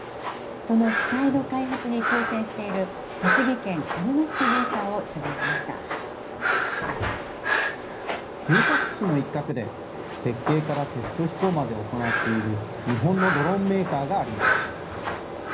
その機体の開発に挑戦している、栃木県鹿沼市のメーカーを取材し住宅地の一角で、設計からテスト飛行まで行っている日本のドローンメーカーがあります。